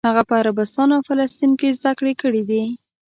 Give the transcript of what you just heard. هغه په عربستان او فلسطین کې زده کړې کړې دي.